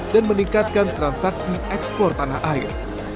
dan meningkatkan transaksi ekspor tanah air